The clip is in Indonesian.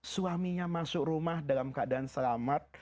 suaminya masuk rumah dalam keadaan selamat